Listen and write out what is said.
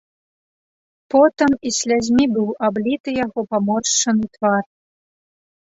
Потам і слязьмі быў абліты яго паморшчаны твар.